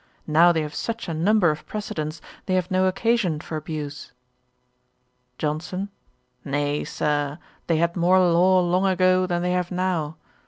Now they have such a number of precedents, they have no occasion for abuse.' JOHNSON. 'Nay, Sir, they had more law long ago than they have now.